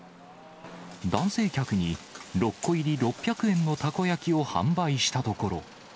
男性客に６個入り６００円のたこ焼きを販売したところ。